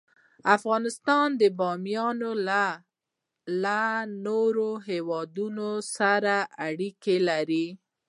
افغانستان د بامیان له امله له نورو هېوادونو سره اړیکې لري.